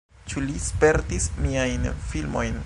Ĉu li spektis miajn filmojn?